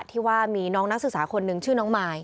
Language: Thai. ที่ว่ามีน้องนักศึกษาคนนึงชื่อน้องมาย